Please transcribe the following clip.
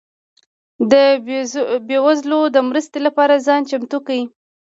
ده بيوزلو ده مرستي لپاره ځان چمتو کړئ